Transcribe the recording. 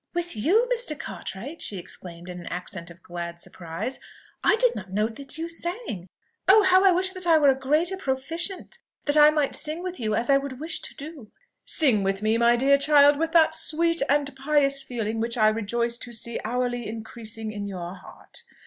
"With you, Mr. Cartwright!" she exclaimed in an accent of glad surprise: "I did not know that you sang. Oh! how I wish that I were a greater proficient, that I might sing with you as I would wish to do!" "Sing with me, my dear child, with that sweet and pious feeling which I rejoice to see hourly increasing in your heart.